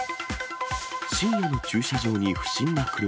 深夜の駐車場に不審な車。